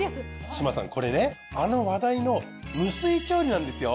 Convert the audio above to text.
志真さんこれねあの話題の無水調理なんですよ。